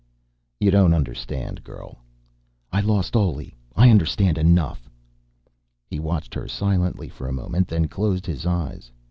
"You don't understand, girl." "I lost Oley. I understand enough." He watched her silently for a moment, then closed his eyes.